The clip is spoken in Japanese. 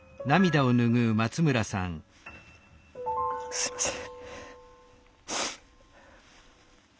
すいません。